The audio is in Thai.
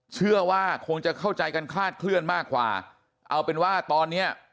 เชื่อว่าคงจะเข้าใจกันคลาดเคลื่อนมากกว่าเอาเป็นว่าตอนเนี้ย